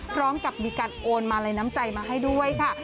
พร้อมกับมีการโอนมาลัยน้ำใจมาให้ด้วยค่ะ